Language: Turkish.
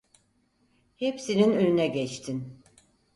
Hepsinin önüne geçtin…